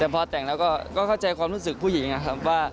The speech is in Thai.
พอแต่งเราก็เข้าใจความนู้นสึกผู้หญิงนะครับ